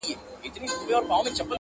سترگه ور وي، ژبه ور وي عالمان وي -